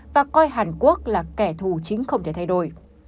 và coi hàn quốc là kẻ thù chính không thể thay đổi